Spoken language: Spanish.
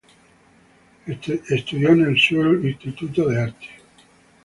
Estudió en el Seoul Institute of the Arts.